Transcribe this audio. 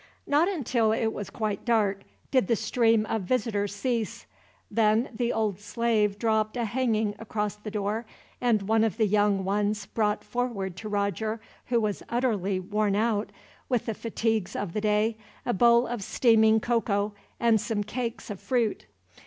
Not until it was quite dark did the stream of visitors cease. Then the old slave dropped a hanging across the door, and one of the young ones brought forward to Roger, who was utterly worn out with the fatigues of the day, a bowl of steaming cocoa, and some cakes of fruit.